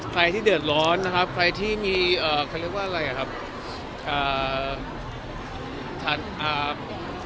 ใครที่เดือดร้อนนะครับใครที่มีใครเรียกว่าอะไรอ่ะครับ